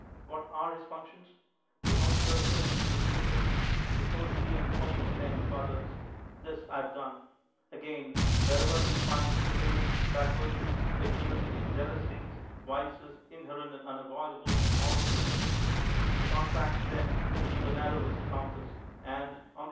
AA'hat are his functions? To observe things in the beginning, to foresee end [<>}•( tell them to others, — tJtis I Jtave done: again, wherever lie finds delays, haeJurcrdiK ss. igno rance, jealousies, vices inherent and unavuid ahle in all communities, to contract them inUi the fiarroircsf compass, and, on th^?